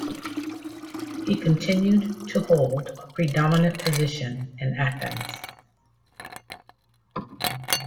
He continued to hold a predominant position in Athens.